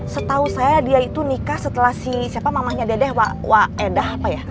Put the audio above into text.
setau saya dia itu nikah setelah si siapa mamahnya dedeh waedah apa ya